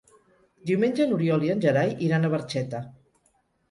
Diumenge n'Oriol i en Gerai iran a Barxeta.